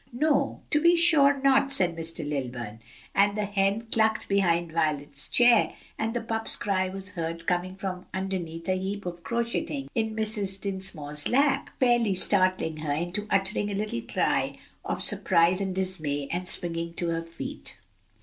"No, to be sure not," said Mr. Lilburn, and the hen clucked behind Violet's chair and the pup's cry was heard coming from underneath a heap of crocheting in Mrs. Dinsmore's lap, fairly startling her into uttering a little cry of surprise and dismay and springing to her feet.